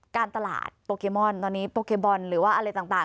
การตลาดโปเกมอนตอนนี้โปเกมบอลหรือว่าอะไรต่าง